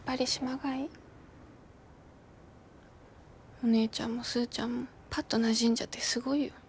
お姉ちゃんもスーちゃんもパッとなじんじゃってすごいよ。